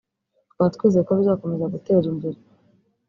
tukaba twizeye ko bizakomeza gutera imbere”